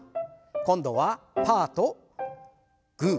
今度はパーとグー。